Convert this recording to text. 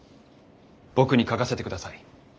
僕に書かせてください。